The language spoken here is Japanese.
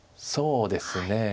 そうですね。